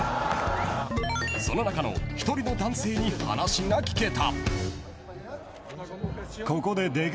その中の１人の男性に話が聞けた。